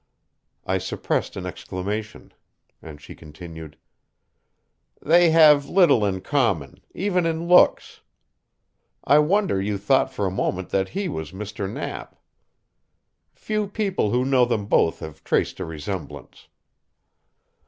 I suppressed an exclamation, and she continued: "They have little in common, even in looks. I wonder you thought for a moment that he was Mr. Knapp. Few people who know them both have traced a resemblance."